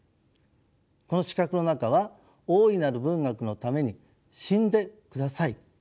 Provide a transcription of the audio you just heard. この四角の中は「大いなる文学のために死んで下さい」。